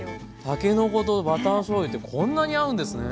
たけのことバターしょうゆってこんなに合うんですね。